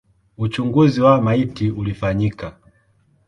Uchunguzi wa maiti ulifanyika.